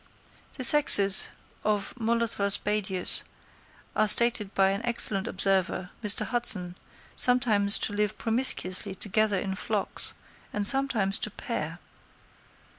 The sexes of Molothrus badius are stated by an excellent observer, Mr. Hudson, sometimes to live promiscuously together in flocks, and sometimes to pair.